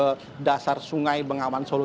ke dasar sungai bengawan solo